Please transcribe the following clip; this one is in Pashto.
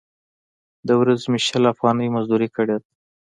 د ورځې مې شل افغانۍ مزدورۍ کړې ده.